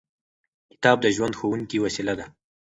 کتاب د ژوند ښوونکې وسیله ده.